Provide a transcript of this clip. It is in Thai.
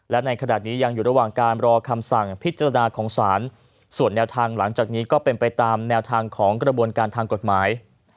และในขณะนี้ยังอยู่ระหว่างการรอคำสั่งพิจารณาของศาลส่วนแนวทางหลังจากนี้ก็เป็นไปตามแนวทางของกระบวนการทางกฎหมาย